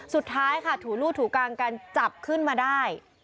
สุดท้ายค่ะถูลูกถูกังกันจับขึ้นมาได้